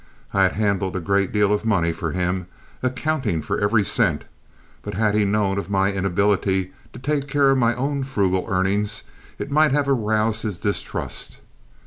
I had handled a great deal of money for him, accounting for every cent, but had he known of my inability to take care of my own frugal earnings it might have aroused his distrust.